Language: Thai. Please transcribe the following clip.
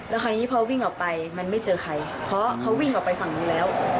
แล้วคราวนี้พอวิ่งออกไปมันไม่เจอใครเพราะเขาวิ่งออกไปฝั่งนู้นแล้ว